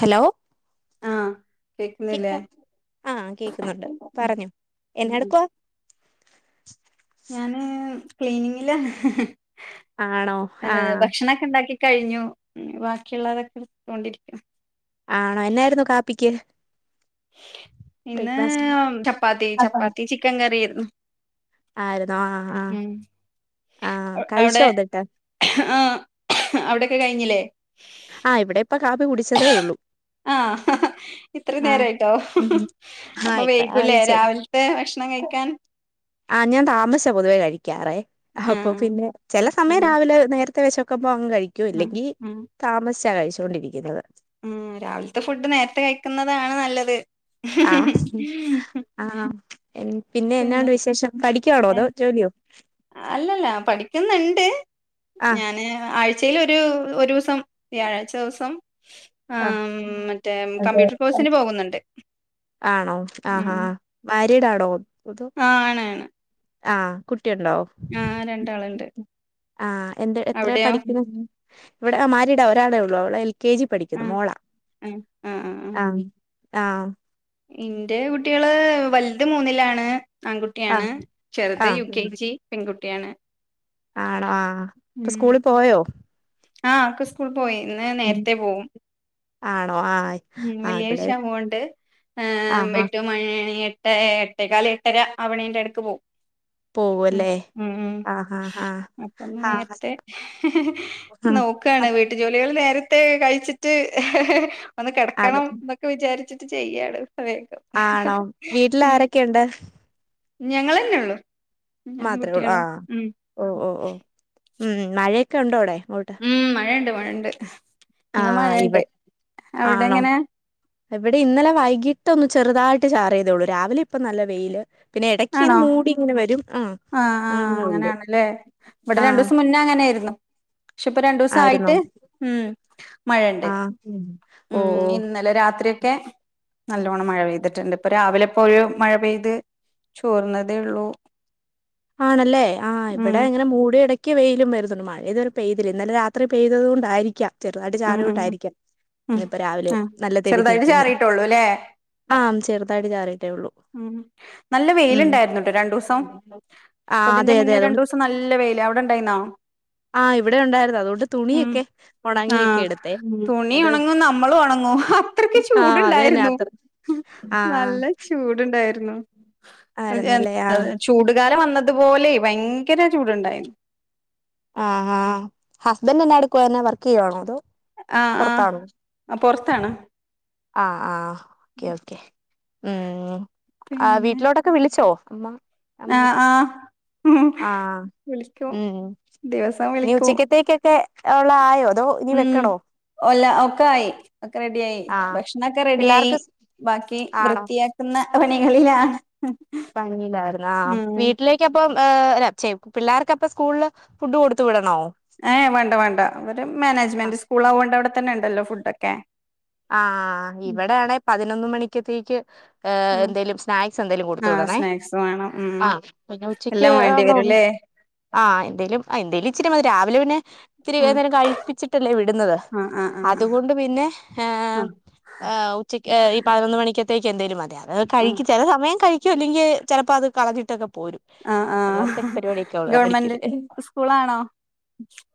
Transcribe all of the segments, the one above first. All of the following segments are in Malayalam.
ഹലോ. ആഹ് കേക്ക കേക്കുന്നില്ലേ ആഹ് കേക്കുന്നുണ്ട്. ഉം പറഞ്ഞോ ഉം എന്നാടുക്കുവാ ഞാന് ക്ലീനിങ്ങിലാ. ആണോ ആഹ് ഭക്ഷണൊക്കെ ഇണ്ടാക്കി കഴിഞ്ഞു. വാക്കിള്ളതൊക്കെ ട്ത്തൊണ്ടിരിക്ക. ആണോ എന്നായിരുന്നു കാപ്പിക്ക്? ഇന്ന് ബ്രേക്ക്ഫാസ്റ്റ് ചപ്പാത്തി ചപ്പാത്തി ചിക്കൻ കറിയാര്ന്നു. ആര്ന്നോ ആഹ് ആഹ് ആഹ് അവിടെ കഴിച്ചോന്നട്ട്? ആഹ് അവിടെക്കെ കഴിഞ്ഞില്ലേ. ആഹ് ഇവിടെപ്പ കാപ്പി കുടിച്ചതേ ഒള്ളൂ. ആഹ് ഇത്രേം നേരായിട്ടോ. അപ്പൊ ആഹ് ഇപ്പഴാ വൈകൂലേ കഴിച്ചേ രാവിൽത്തെ ഭക്ഷണം കഴിക്കാൻ. ആഹ് ഞാൻ താമസിച്ചാ പൊതുവേ കഴിക്കാറേ, അപ്പൊ ആഹ് പിന്നെ ചെല സമയം ആഹ് രാവിലെ നേര ത്തെ വെശക്കുമ്പോ അങ്ങ് കഴിക്കും ആഹ് അല്ലെങ്കിൽ താമസിച്ചാ കഴിച്ചോണ്ടിരിക്കുന്നത്. ഉം രാവിലത്തെ ഫുഡ് നേരത്തെ, കഴിക്കുന്നതാണ് നല്ലത്. ആഹ് ആണോ എനിക്ക് പിന്നെ എന്നാണ്ട് വിശേഷം, പഠിക്കുവാണോ, എൻ അതോ ജോലിയോ? അല്ലല്ല പഠിക്കുന്നുണ്ട് ആഹ് ഞാന് ആഴ്‌ച്ചേല് ഒരു ഒരൂസം, വ്യാഴാഴ്ച്ച ദിവസം ആഹ് മ്മ് മറ്റേ അതെ കമ്പ്യൂട്ടർ ആ കോഴ്സിന് പോകുന്നുണ്ട്. ആണോ ആഹാ, മാരിടാണോ? ആഹ് ആണ് ആണ്. ആഹ് കുട്ട് ആഹ് രണ്ടാളുണ്ട്. ആഹ് എന്ത് എത്രേ അവിടെയോ പഠിക്കുന്നു ഇവിടെ ആഹ് മാരിടാ ഒരാളെ ഒള്ളൂ അവളെ എൽ കെ ജി ആ പഠിക്കുന്നു മോളാ ആ ആ ആ ആ ആഹ് ആഹ് ഇന്റെ കുട്ട്യേള്, വലുത് മൂന്നിലാണ് ആൺകുട്ടിയാണ് ആഹ് ചെറുത് യു കെ ആഹ് ജി പെൺകുട്ടിയാണ്. ആണോ ആഹ് ഇപ്പൊ സ്കൂളി പോയോ? ആഹ് ഒക്കെ സ്കൂള് പോയി ഇന്ന് ഉം. നേരത്തെ പോവും. ആണോ ആഹ് ഉം ആഹ് ഇവിടെ വെള്ളിയാഴ്ച ആവോണ്ട് ഏഹ് ആഹ് ആഹ് എട്ട് മണി [unintelligible] എട്ട് ഏട്ടെ എട്ടേകാല് എട്ടര അവണേന്റെ എടക്ക് പോവും. പോവു ഉം അല്ലേ? ഉം ഉം അപ്പൊ ഇന്ന് നേരത്തെ നോക്കാണ്, ആഹ് വീട്ടു ജോലികള് നേരത്തെ, കഴിച്ചിട്ട് ഒന്ന് അതെ കെടക്കണം ന്നൊക്കെ വിചാരിച്ചിട്ട് ചെയ്യാണ്. വേഗം ആണോ, വീട്ടിൽ ആരൊക്കെയുണ്ട്? ഞങ്ങളെന്നെ ഇള്ളൂ. മാത്രേ ഒള്ളൂ. ആഹ് ഓഹ് ഓഹ് ഓഹ് ഉം. മഴയൊക്കെ ഉണ്ടോ അവിടെ? അങ്ങോട്ട് ഉം. മഴണ്ട്, മഴണ്ട് ഇന്ന് ആഹ് മഴണ്ട്. ഇവ അവിടെ ആണോ എങ്ങനാ? ഇവിടെ ഇന്നലെ വൈകിട്ട് ഒന്ന് ചെറുതായിട്ട് ചാറിയ തേഒള്ളൂ, രാവിലെ ഇപ്പൊ നല്ല വെയില് പിന്നെ എടയ്ക്കങ്ങനെ ആണോ മൂടി ങ്ങനെ വരും ആ ആഹ് ആഹ് അങ്ങനെ ഉള്ളു അങ്ങനെയാണല്ലേ? ഇവിടെ ആഹ് രണ്ടൂസം മുന്നേ അങ്ങനെയിരുന്നു ക്ഷെ ഇപ്പൊ ആയിരുന്നോ രണ്ടൂസായിട്ട് ഉം മഴണ്ട്. ആഹ് ഓ ഓ ഉം ഇന്നലെ രാത്രിയ ക്കെ നല്ലോണം മഴ പെയ്തിട്ടുണ്ട്. ഇപ്പൊ രാവിലെ ഇപ്പോ ഒരു മഴ പെയ്ത് ചോർന്നതേ ള്ളൂ. ആണല്ലേ? ആഹ് ഇവിടെങ്ങനെ മൂടി ഇട ക്ക് വെയിലും വരുന്നുണ്ട്. മഴ ഇതു വരെ പെയ്തില്ല. ഇന്നലെ രാത്രി പെയ്തത് കൊണ്ടായിരിക്കാം ചെറുതായിട്ട് ഉം ഉം ചാറിയോണ്ടായിരിക്കാം ഉം ന്ന് ഇപ്പ ആ രാവിലേം നല്ല തെളി ചെറുതായിട്ട് ഞീക്ക്‌ന്നെ. ചാറിയിട്ടുള്ളൂ അല്ലേ ആം ചെറുതായിട്ട് ചാറി ഉം. നല്ല വെയിലണ്ടായിരുന്നുട്ടോ രണ്ടൂസം. പ്പ ആഹ് അതെ തിന്റെ അതെ മുന്നേ അതുകൊണ്ട് രണ്ടൂസം നല്ല വെയില് അവിടെ ണ്ടായിന്നോ? ആഹ് ഇവിടെ ഉണ്ടായിരുന്നു, അതൊണ്ട് തുണിയൊക്കെ, ആ ഒണങ്ങിയൊക്കെ എടുത്തെ ഉം തുണി അത് ഉണങ്ങും നമ്മളും ഉണങ്ങും അത്രക്ക് ആഹ് അതെന്നെ, ചൂടുണ്ടായിരുന്നു അത് ആഹ് ആഹ് ചൂടുണ്ടാര്ന്നു. എ ആയിരുന്നല്ലേ ആഹ് ചൂട് കാലം വ ന്നത്പോലെ ഭയങ്കര ചൂടുണ്ടായിരുന്നു. ആഹ് ആഹ് ഹസ്ബൻഡെന്ന എടുക്കുവാ? എന്നാ വർക്കെയ്യൂ വാണോ? അതോ ആഹ് ആഹ് പുറത്താണോ അഹ് പൊറത്താണ്. ആഹ് ആഹ് ഓക്കെ ഓക്കെ ഉം ആഹ് വീട്ടിലോട്ടൊക്കെ വിളി ച്ചോ അമ്മ ഏഹ് അമ്മയൊക്കെ ആഹ് ആഹ് ഉം. ദിവസം നി വിളിക്കും ഉച്ചക്കത്തേക്കൊക്കെ ഉള്ള ആയോ? അതോ നി ഉം വെക്കണോ? ഒല്ല ഔ ഒക്കെ ആയി. ഒക്കെ റെഡിയായി, ആഹ് ഭക്ഷണൊക്കെ റെഡിയായി. പിള്ളേർക്ക് ബാക്കി ആണോ വൃത്തിയാക്കുന്ന പണി കളിലാ. പണീയില്ലാര്ന്ന്. ആഹ് വീട്ടിലേക്കപ്പ പ്പം ഏഹ് ഛെ പിള്ളേർക്കപ്പ സ്കൂള്ല് ഫുഡ് കൊടുത് വിടണോ? ഏഹ് വേണ്ട വേണ്ട. അവര് മാനേജ്മെന്റ് സ്കൂളാ വോണ്ട് അവിടെ തന്നെ ഉണ്ടല്ലോ ഫുഡൊക്കെ? ആഹ്. ഇവിടെയാണെ പതിനൊന്ന് മണിക്കത്തേക്ക് ഏഹ് ഉം എന്തേലും സ്നാക്സ് എന്തെലും കൊടുത്ത് ആ വിടെണേ സ്നാക്സ് വേണം ഉം അഹ് പിന്നെ ഉച്ചക്ക് എല്ലാം വേണ്ടി അവിടെ ഒണ്ട് വരുംല്ലേ ആഹ് എന്തേലും എന്തേലും ഇ ഇച്ചിരി മതി. രാവിലെ പിന്നെ ഇത്തിരി ആ എന്തേലും കഴിപ്പിച്ചിട്ടെല്ലെ വിടുന്നത്? ആ ആ ആ അതുകൊണ്ട് പിന്നെ ഏഹ് ആ ഉച്ചയ്ക്ക് ഈ പതിനൊന്ന് മണിക്കത്തേക്ക് എന്തേലും മതി. അഹ് ആ കഴിക്കു ചെല സമയം കഴ ക്കു അല്ലെങ്കി, ചെലപ്പോ അത് കളഞ്ഞിട്ടൊക്കെ പോ പോരും. ആ ആ അങ്ങൻത്തെക്കെ പരിപാടിക്കെ ഒള്ള് ഗവൺമെന്റ് അടിക്കത് സ്കൂളാണോ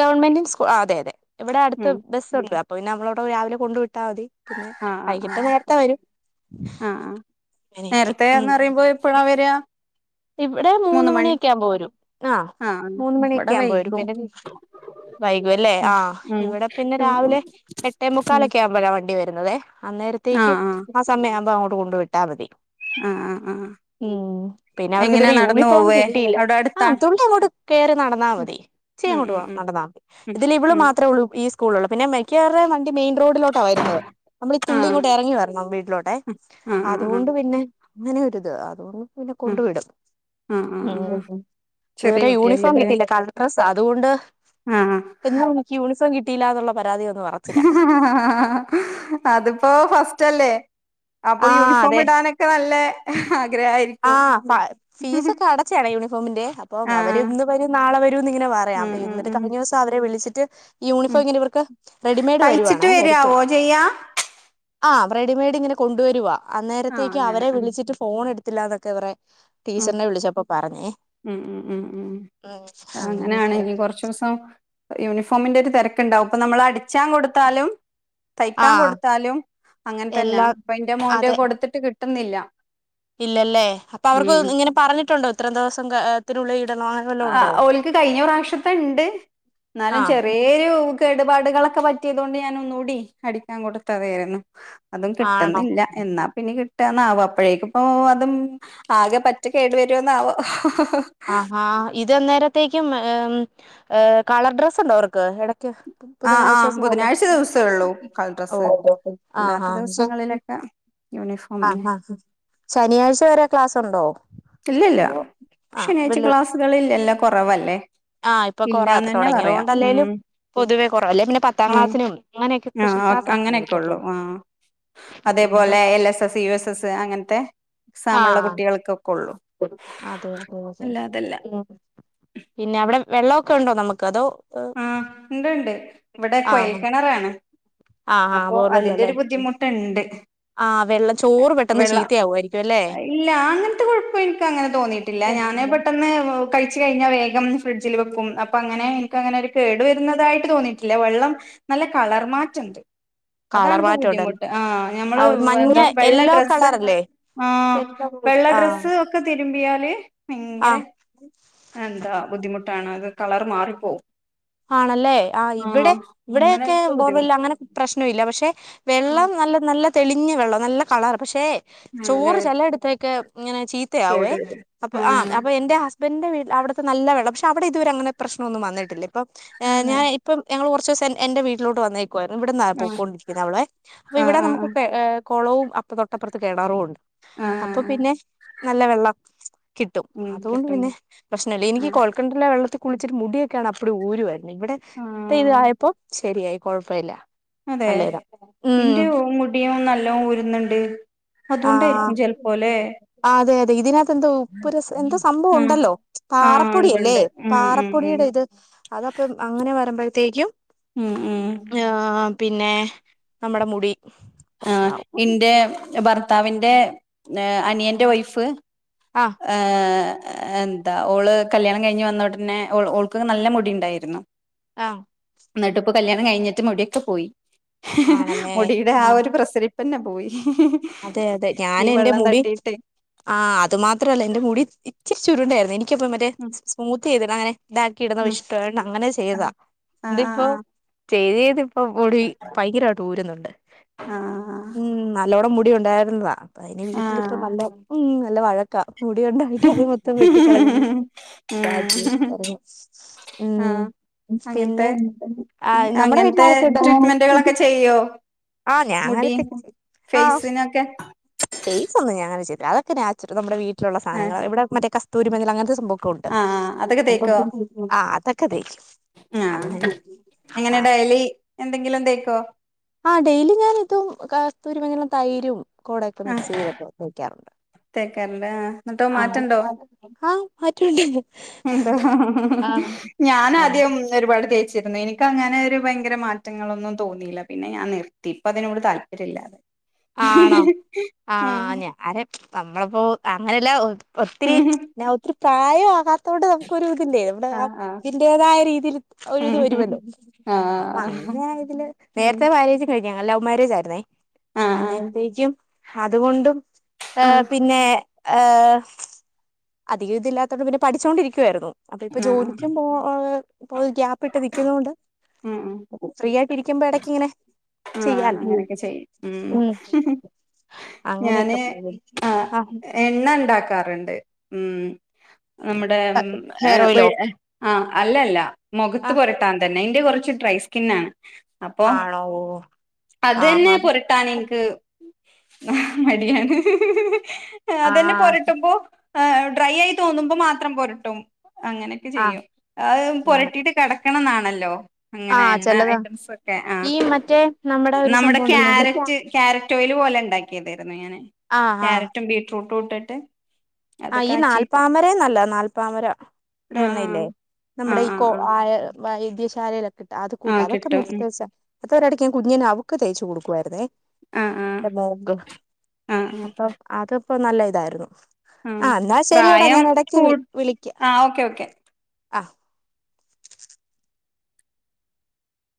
ഗവൺമെന്റിങ്ങ് സ്കൂ, ആ അതെ, അതെ ഇവെടെ അടുത്ത് ഉം ബെസ്സുണ്ട്. അപ്പൊ പിന്നെ നമ്മളവിടെ രാവിലെ കൊണ്ട് വിട്ട ട്ടാ തി. പിന്നെ ആ ആ ആ വൈകിട്ട് നേരത്തെ വെരും. നേരത്തേന്ന് ന്നറയുമ്പോ എപ്പളാ വര? ഇവടെ മൂന്ന് മണിയൊക്കെ ആവുമ്പ വരും. ആഹ് മൂന്ന് ഇവിടെ മണിയൊക്കെ ആവുമ്പോ വരും. വൈകും പിന്നെ വൈകൂ അല്ലേ? ഉം ആഹ് ഇവിടെ പിന്നെ ഉം ഉം രാവിലെ എട്ടേ മുക്കാലൊക്കെ ആവുമ്പഴ വണ്ടി വര് ക്കുന്നതെ. അന്നേരത്തേക്കും ആഹ് സമയം ആവുമ്പോ അങ്ങോട്ട് കൊണ്ടു വിട്ടാ മതി. ആഹ് ആഹ് ആഹ് ഉം പിന്നെ അവർക്ക് എങ്ങനെയാ ഇതുവരെ നടന്നു യൂണിഫോം പോവേ കിട്ടിയില്ല. അവിടെ ആ അടുത്താ തുള്ളി അങ്ങോട്ട് കേറി നടന്നാ ഉം മതി. ഉം ഇച്യെങ്ങോട്ട് പോണം ഉം നട ഉം ഇതില് ഇവള് ഉം മാത്ര ഒള്ളൂ ഈ സ്കൂള് ഉള്ളെ. പിന്നെ മെക്കവർ [unintelligible] മെയിൻ റോഡിലോട്ടാ വെരുന്നത്. നമ്മളീ ആഹ് തുള്ളിയിങ്ങോട്ട് എറങ്ങി വരണം വീട്ടിലോട്ടെ. ആഹ് ആഹ് ആഹ് അതുകൊണ്ട് പിന്നെ അങ്ങനെ ഒരിത്. അതുകൊണ്ട് പിന്നെ കൊണ്ടു ആഹ് വിടും. ആഹ് ആഹ് ആഹ് ഉം ചെറിയ ഇതുവരെ യൂണിഫോം കുട്ടിയല്ലല്ലേ കിട്ടീല്ല കളർ ഡ്രസ്സ. അതുകൊണ്ട്. ആഹ് എന്നും എനിക്ക് യൂണിഫോ കിട്ടിയില്ലാ എന്നുള്ള പരാതി. ഒന്നും പറച്ചില്ല അതിപ്പോ ഫസ്റ്റ്ല്ലേ. അപ്പൊ ആഹ് യൂണിഫോം അതെ ഇടാനൊക്കെ നല്ല ആഗ്രഹായിരിക്കും ആഹ് ഫ ഫീസൊക്കെ അടച്ചാണ് യൂണിഫോമിന്റെ അപ്പൊ അവര് ആഹ് ഇന്ന് വരും നാളെ വരൂന്ന് ഇങ്ങനെ പറയാ. ഉം ന്ന് ഉം എന്നിട്ട് ഉം കഴിഞ്ഞൂസം അവരെ വിളിച്ച്. ഉം യൂണിഫോം ഇങ്ങനെ ഇവർക്ക് റെഡിമെയ്ഡ് തയ്ച്ചിട്ട് വരുവാണേ വരുത്തുവ. വരാവോ ചെയ്യാ ആഹ് റെഡിമെയ്ഡ് ഇങ്ങനെ കൊണ്ടുവരുവാ ആഹ് അന്നേരത്തേക്ക് അങ്ങനെ അവരെ ഉം വിളിച്ചിട്ട് ഫോൺ എടുത്തില്ല എന്നൊക്കെ പറ ടീച്ചറിനെ വിളിച്ചപ്പ പറഞ്ഞേ. ഉമ് ഉമ് ഉമ് ഉമ് ഉം ആഹ് അങ്ങനാണ് ഇനി അങ്ങനെയൊക്കെ കൊറച്ചുസം. യൂണിഫോമിന്റെ ഒരു തിരക്കുണ്ടാവും ഇപ്പൊ നമ്മൾ അടിച്ചാൻ കൊടുത്താലും. തയ്ക്കാൻ ആഹ് കൊടുത്താലും അങ്ങനെ തന്നെ എല്ലാ അപ്പൊ എന്റെ മോന്റെ അതെ കൊടുത്തിട്ട് കിട്ടുന്നില്ല. ഇല്ലല്ലേ അപ്പൊ അവർക്ക് ഉം ഇങ്ങനെ പറഞ്ഞിട്ടുണ്ടോ ഇത്രേം ദിവസം തിനുള്ളിൽ ആ ഓൽക്ക് കഴിഞ്ഞ പ്രാവശ്യത്തണ്ട് എന്നാലും ആഹ് ചെറിയൂകെ കേടുപാടുകളൊക്കെ പറ്റിയതോണ്ട് ഞാൻ ഒന്നൂടി അടിക്കാൻ കൊടുത്തതായിരുന്നു. അതും ആണോ കിട്ടുന്നില്ല എന്നാ പിന്ന കി ട്ടാന്നാവ അപ്പോഴേക്കിപ്പോ അതും ആകെ പറ്റ കേടു വരോന്നാവോ ഹഹ്. ആഹാ ഇതെന്നേരത്തെക്കും ഏ കളർ ഡ്രെസ് ഉണ്ടോ അവർക്ക് ഇടക്ക്. ആഹ ബുധനാഴ്ച ആഹ ദിവസങ്ങളില് ബുധനാഴ്ച ദിവസെ ഒള്ളൂ ഓ കളർഡ്രസ്സ് അല്ലാത്ത ആഹാ ശ- ദിവസങ്ങളിലൊക്കെ. യൂനിഫോം അന്നെ. ആഹാ ശനിയാഴ്ച വരെ ക്ലാസ്സുണ്ടോ ഇല്ലല്ല അതോ. ആഹ ശനിയാഴ്ച വല് ക്ലാസ്സുകളില്ലല്ലോ കുറവല്ലേ ആഹ ഇപ്പൊ കൊറ ഇപ്പൊ ഇല്ലാന്ന് തന്നെ പറയാം ഉം തുടങ്ങിയതോണ്ടല്ലേലും. പൊതുവെ കുറവ അല്ലെ പിന്നെ പത്താം ഉം ക്ലാസിനും ഇങ്ങനെയൊക്കെ ആ സ്പെഷ്യൽ അങ്ങനെയൊക്കെ ഉള്ളു ക്ലാസോകല്യേ. ആ അതേപോലെ L S S U S S അങ്ങനത്തെ. ആ എക്സമ്ള്ള കുട്ടികൾക്കൊക്കെള്ളു. പിന്നെ പിന്നെ അവിടെ വെള്ളൊക്കെ ഉണ്ടോ നമുക്ക് അതോ. ഏ, ആ ഉണ്ട് ഉണ്ട് ഇവിടെ ആ കൊയിൽ കിണറാണ്. ആ ആ അപ്പൊ അതിന്റെ ഒരു ബോർവെല്ലല്ലേ ബുദ്ധിമുട്ടുണ്ട്. ആഹ് വെള്ള ചോറ് പെട്ടെന്ന് വെള്ള ചീത്തയാവുമായിരിക്കും അല്ലേ ഇല്ല അങ്ങനത്തെ കുഴപ്പം എനിക്ക് അങ്ങനെ തോന്നിയിട്ടില്ല. ഞാൻ പെട്ടെന്ന് കഴിച്ച കഴിഞ്ഞാൽ വേഗം ഫ്രിഡ്ജിൽ വെക്കും അപ്പൊ അങ്ങനെ. അങ്ങനെ ഒരു കേടു വരുന്നതായിട്ട് തോന്നിയിട്ടില്ലേ വെള്ളം നല്ല കളർമാറ്റണ്ട്. കളർ അതാണിപ്പോ മാറ്റം ഉണ്ടല്ലേ ബുദ്ധിമുട്ട് ആ ഞമ്മൾ ആ ഒരു മഞ്ഞ എന്താ വെള്ള യെല്ലോ ഡ്രസ്സ്. കളറല്ലേ ആഹ വെള്ള ആഹ് ഡ്രെസ്സ് ഒക്കെ തിരുമ്പിയാല് ഭയങ്കര. ആഹ് എന്താ ബുദ്ധിമുട്ടാണ് അത് കളർ മാറിപ്പോവും. ആണല്ലേ ആ ഇവിടെ ആഹ് ഇവിടൊക്കെ അങ്ങനത്തെ ബോർവല്ല ബുദ്ധിമുട്ട് അങ്ങന പ്രശ്നല്യ പക്ഷെ. വെള്ളം നല്ല നല്ല തെളിഞ്ഞ വെള്ളം നല്ല കളർ പക്ഷേ ആണല്ലേ ചോറ് ചിലയിടുത്തേക്ക്. ഇങ്ങനെ ചീത്തയാവേ കേട് വരും അപ്പൊ ആ ആഹ് അപ്പൊ എന്റെ ഹസ് ബന്റെ വീട്ടിൽ അവിടുതെ നല്ലെവെള്ളം പക്ഷേ അവിടെ ഇത് വരെ അങ്ങനെ പ്രശ്ണൊന്നും വന്നട്ടില്ല ഇപ്പ ഏ അല്ല ഞൻ ഇപ്പം ഞങ്ങൾ കൊർ ച്ചുസ ന്റെ എന്റെ ഇവിലോട്ട് വന്നേക്കുവായിരുന്ന് ഇവട്ന്ന ആഹ് പൊക്കൊണ്ടിരിക്കുന്നത് അവളെ അപ്പൊ ആഹ് ഇവിടെ ആഹ് നമുക്ക് പേ കൊളവും. അപ്പ തൊട്ടപ്പുറത്ത് കെണറുണ്ട് അപ്പൊ ആഹ് ആഹ് പിന്നെ നല്ല വെള്ളം. കിട്ടും ഉം അതൊണ്ട് കിട്ടും പിന്നെ പ്രശ്നമല്യ എനിക്ക് ആഹ് കൊയൽകെണറിലെ വെള്ളത്തിൽ കുളിച്ചിട്ട് മുടിയൊക്കെയാണ് അപ്പടി ഊരുവര്ന്ന്. ഇവിടെ ഇപ്പോ ആഹ് തായപ്പോ ശരിയായി കൊഴപ്പല്യ. അതെ ഇന്റെ മുടിയും നല്ലോ ഊരുന്നുണ്ട്. ആഹ അതുകൊണ്ടായിരിക്കും ചെലപ്പോല്ലേ അതെ അതെ ഇതിനകത്ത് എന്ത ഉപ്പ് രസം എന്ത സംഭവ ആഹ് ഉണ്ടല്ലോ. ആഹ് പാറപ്പൊടി ഇണ്ട് അല്ലേ ഇണ്ട് ഉം ഉം ഉം പാറപ്പൊടിയുടെ ഇത് അതപ്പം അങ്ങനെ വരുമ്പോഴത്തേക്കും. മ്മ് മ്മ്. ആ പിന്നെ നമ്മുടെ മുടി. ആ പ്രശ്നാവും എന്റെ ഭർത്താവിന്റെ അനിയന്റെ വൈഫ്. ആ ഏ. എന്താ ഓള് കല്യാണം കഴിഞ്ഞ് വന്നുടനെ ഓൾ ഓൾക്ക് നല്ല മുടി ഉണ്ടായിരുന്നു. ആ എന്നിട്ടി ഇപ്പോ കല്യാണം കഴിഞ്ഞിട്ട് മുടിയൊക്കെ പോയി ഹ ഹ മുടിയുടെ ആ ഒരു പ്രസരിപ്പ് തന്നെ പോയി. അതെ അതെ ഞാൻ ഈ എന്റെ വെള്ളം മുടി തട്ടിയിട്ട് ആ അത് മാത്രല്ല എന്റെ മുടി ഇച്ചിരി ചുരുണ്ടായിരുന്നു എനിക്കിപ്പം മറ്റേ ഉം സ്മൂത്ത് ചെയ്തിടാന് ഇതാക്കിയിടുന്ന ഉം ഇഷ്ടാണ് അങ്ങനെ ചെയ്താ ആഹ് ഇതിപ്പോ ആഹ് ചെയ്ത് ചെയ്ത് - അപ്പ മുടി ഭയങ്കരമായിട്ട് ഊരുന്നുണ്ട് ആഹ് ഉം നല്ലോണം മുടി ഉണ്ടായിരുന്നതാ.. അതിന് ആഹ് വീട്ടിലിപ്പ ആഹ് നല്ല ഉം നല്ല വഴക്കാ മുടി ഉണ്ടായിട്ട് അത് മൊത്തം വെട്ടിക്കളഞ്ഞ ബാക്കെ ഉം പറ ശ് ശ് ഉം ആഹ് പിന്നെ അങ്ങനത്തെ ആ നമ്മടെ വീട്ടില അങ്ങനത്തെ ആരൊ ക്കെണ്ട്??? ട്രീറ്റ്മെന്റുകളൊക്കെ ചെയ്യോ ആഹ് ഞാൻ മുടി അങ്ങനത്തേക്ക ആ് ഫേസിനൊക്കെ ഫേ ഒ തേച്ചു ഞ അങ്ങന ചെയ് അതൊക്കെ നാച്ചുറൽ നമ്മ വീട്ടിലുള്ള ഏഹ് സധനങ്ങൾ ഇവിടെ മറ്റേ കസ്തൂരി മഞൾ അങ്ങന സംഭവം കൂട്ട് ആഹ് അതൊക്കെ തേക്കോ ആഹ് അതൊക്കെ അതെ ആഹ് അങ്ങനെ എങ്ങനെ ആഹ് ഡെയ്ലി എന്തെങ്കിലും തെക്കോ? ആഹ് ഡെയിലി ഞാനിതും കസ്തൂരി മഞളും തൈരും കോടൊക്കെ മിക്സ് ചെയ്തപ്പോ തേക്കാറുണ്ട്. തേക്കാറണ്ട് ആഹ് എന്നിട്ടോ ആ മാറ്റണ്ടോ ആ മാറ്റണ്ട് എന്തോ മ്മ് ഞാനാദ്യം ഒരു വെൾ തേച്ചിരുന്നു എനിക്ക് അങ്ങനെ ഒരു ഭയങ്കര മാറ്റങ്ങളൊന്നും തോന്നിയില്ല പിന്നെ ഞാൻ നിർത്തി ഇപ്പ അതിനോട് താല്പര്യ ഇല്ല. ആണോ ആഹ് ഞാരെ നമ്മളപ്പോ അങ്ങനെല്ല ഒ ഒത്തിരി ഒത്തിരി പ്രായകാത്ത തൊണ്ട് നമുക്കൊരു തി ആഹ് ആഹ് നമ്മടെതിന്റേതായ രീതിയിൽ ഒരിത് വരുമല്ലോ ഉം അപ്പൊ ആഹ് അയ്ലായതിൽ ഉം നേരത്തെ മാരേജ് കഴിഞ്ഞ ലൗ മാരേജ് ആയിരുന്നെ ആഹ് അന്നേരത്തേക്കും അതുകൊണ്ടും ആഹ് ഉം പിന്നെ- ഏഹ് അധികം ഇതില്ലാത്തൊണ്ട് പിന്നെ പഠിച്ചുകൊണ്ടിരിക്കുവായിരുന്നു. അത് ഇപ്പൊ ആഹ് ആഹ് ജോലിക്കും പോ ഇ ഗ്യാപ്പ് ഇട്ട് നിൽക്കുന്നൊണ്ട് ഉം ഉം ഫ്രീ ആയിട്ട്, - ഇരിക്കുമ്പോയിടക്ക്‌ ഇങ്ങനെ ആഹ് ചെയ്യാൻ. അങ്ങനെയൊക്കെ ചെയ്യും ഉം അങ്ങനെയൊക്കെ ഞാന് പോയ് ആഹ് എണ്ണ കറണ്ട് ഉമ് നമ്മടെ ഉമ് ഹെയർ ആഹ് ഓയിലോ ഏഹ് അല്ലല്ല മുഖത്ത് ആഹ് പുരട്ടാൻ തന്നെ ഇന്റെ കുറച്ച് ഡ്രൈ സ്കിന്നാണ് അപ്പൊ ആണോ അത് ആഹ് തന്നെ ആഹ് പൊരട്ടാൻ എനിക്ക് മടിയാണ്. അത് തന്നെ ആഹ് പൊരട്ടുമ്പോ ഡ്രൈ ആയി തോന്നുമ്പോ മാത്രം പൊരട്ടും. അങ്ങനെയൊക്കെ ആഹ് ചെയ്യും അത് ആണ് പൊരട്ടീട്ട് കെടക്കണോന്നാണല്ലോ. അങ്ങനെ ആഹ് എണ്ണ ചെലതാ ഐറ്റംസ് ഒക്കെ ആ ഈ മറ്റേ ഒരു നമ്മുടെ സംഭവം ഉണ്ടല്ലോ കാരറ്റ് കാര- റ്റ പോലെ ഉണ്ടാക്കിയതായിരുന്നു ഞാന് ആഹ് ആഹ് ക്യാരറ്റും ബീട്ട്റൂട്ടും ഇട്ടിട്ട്, അത് ഈ കാച്ചിയിട്ട് നാൽപ്പാമരമെ നല്ലതാ നാല്പ്പാമര, - ഇടെ [unintelligible] ണ ഇല്ലേ ആഹ് നമ്മുടെ ആഹ് ഈ ആഹ് കൊ ആഹ് ആ വൈദ്യശാലയിലൊക്കെട്ട് അത് കൂട്ടാ ആഹ് അതൊക്കെ മി കിട്ടും [unintelligible] സ് പേസ അടുത്ത ഒരിടക്ക് കുഞ്ഞിനെ അവക്ക് തേയ്ച്ചു കൊടുക്കുവായിരുന്നെ.. ആഹ് ആഹ് എന്റെ മോൾക് ആഹ് ആഹ് അപ്പൊ അത്യിപ്പോ നല്ല ഇതായിരുന്നു. ആ ആഹ് എന്നാൽ ശരിയാടാ പ്രായം ഞാൻ ഇടക്ക് കൂ വി വിളിക്കാം ആഹ് ഓക്കെ ഓക്കെ ആഹ